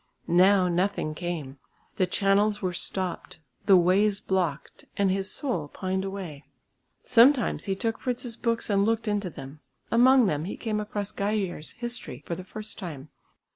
Now nothing came; the channels were stopped, the ways blocked, and his soul pined away. Sometimes he took Fritz's books and looked into them; among them he came across Geijer's History for the first time.